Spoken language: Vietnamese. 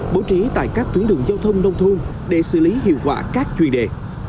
bố trí tại các tuyến đường giao thông nông thôn để xử lý hiệu quả các chuyên đề